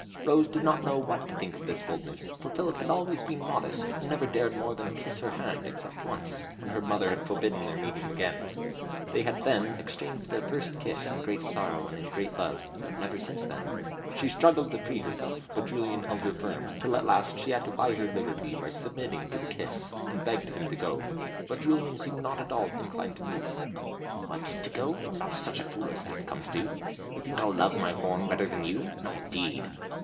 Rose did not know what to think of this boldness, for Philip had always been modest, and never dared more than kiss her hand, except once, when her mother had forbidden their meeting again. They had then exchanged their first kiss in great sorrow and in great love, but never since then. She struggled to free herself, but Julian held her firm, till at last she had to buy her liberty by submitting to the kiss, and begged him to go. But Julian seemed not at all inclined to move. "What! go? I'm not such a fool as that comes to! You think I love my horn better than you? No indeed!"